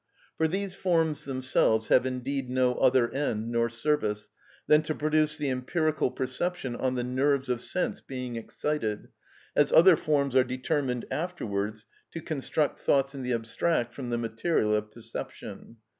For these forms themselves have indeed no other end, nor service, than to produce the empirical perception on the nerves of sense being excited, as other forms are determined afterwards to construct thoughts in the abstract from the material of perception.